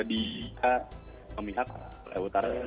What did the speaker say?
dikatakan oleh utara